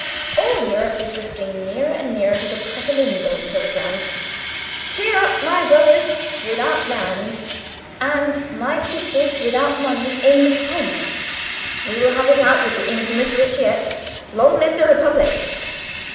All Europe is drifting nearer and nearer to the Pratolungo programme. Cheer up, my brothers without land, and my sisters without money in the Funds! We will have it out with the infamous rich yet. Long live the Republic!